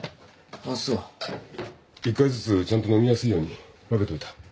１回ずつちゃんと飲みやすいように分けといた。